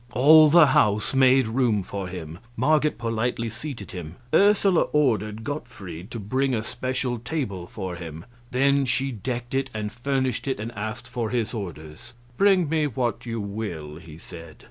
All the house made room for him; Marget politely seated him; Ursula ordered Gottfried to bring a special table for him. Then she decked it and furnished it, and asked for his orders. "Bring me what you will," he said.